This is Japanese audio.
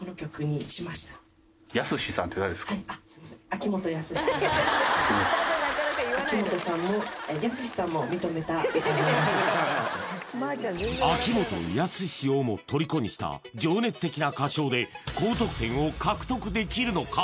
秋元康をもとりこにした情熱的な歌唱で高得点を獲得できるのか？